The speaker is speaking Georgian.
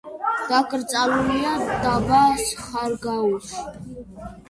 დაკრძალულია დაბა ხარაგაულში.